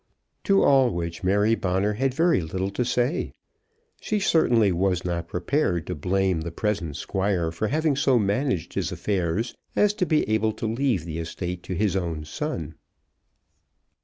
To all which Mary Bonner had very little to say. She certainly was not prepared to blame the present Squire for having so managed his affairs as to be able to leave the estate to his own son.